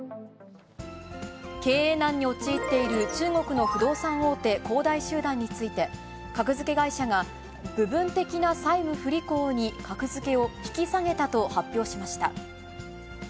経営難に陥っている中国の不動産大手、恒大集団について、格付け会社が、部分的な債務不履行に格付けを引き下げたと発表しました。